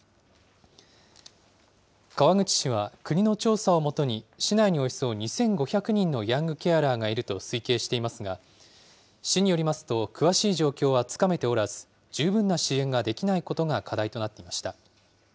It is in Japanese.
川口市は、国の調査をもとに市内におよそ２５００人のヤングケアラーがいると推計していますが、市によりますと詳しい状況はつかめておらず、十分な支援ができないことが課題となっていました。